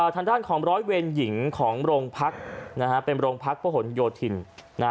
ทางด้านของร้อยเวรหญิงของโรงพักนะฮะเป็นโรงพักพระหลโยธิน